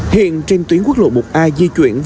h riêng trên tuyến quốc lộ một a di chuyển